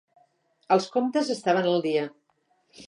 Els comptes estaven al dia.